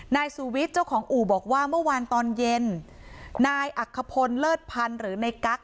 นายสุวิทย์เจ้าของอู่บอกว่าเมื่อวานตอนเย็นนายอักขพลเลิศพันธ์หรือในกั๊ก